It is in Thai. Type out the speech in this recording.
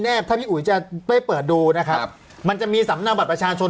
ถ้าพี่อุ๋ยจะไปเปิดดูนะครับมันจะมีสำนักบัตรประชาชน